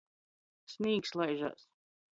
Snīgs laižās.